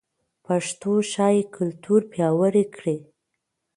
پښتو ښايي کلتور پیاوړی کړي.